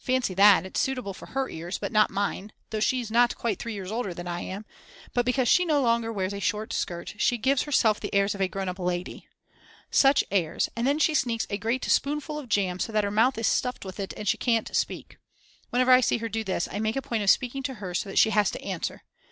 Fancy that, it's suitable for her ears, but not mine though she's not quite three years older than I am, but because she no longer wears a short skirt she gives herself the airs of a grown up lady. Such airs, and then she sneaks a great spoonful of jam so that her mouth is stuffed with it and she can't speak. Whenever I see her do this, I make a point of speaking to her so that she has to answer.